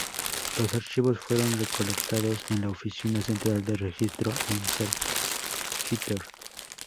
Los archivos fueron recolectados en la oficina central de registro en Salzgitter.